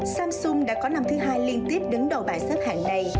samsung đã có năm thứ hai liên tiếp đứng đầu bảng xếp hạng này